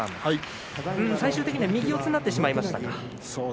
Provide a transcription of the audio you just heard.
最終的に右四つになってしまいましたね。